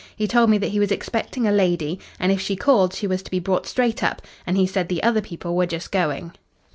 He told me that he was expecting a lady, and if she called she was to be brought straight up; and he said the other people were just going.